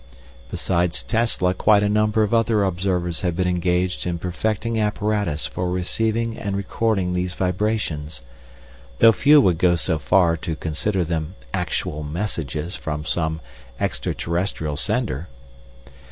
Besides Tesla quite a number of other observers have been engaged in perfecting apparatus for receiving and recording these vibrations, though few would go so far as to consider them actual messages from some extraterrestrial sender.